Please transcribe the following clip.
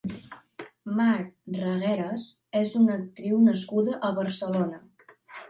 Mar Regueras és una actriu nascuda a Barcelona.